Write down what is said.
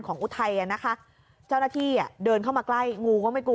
อุทัยอ่ะนะคะเจ้าหน้าที่อ่ะเดินเข้ามาใกล้งูก็ไม่กลัว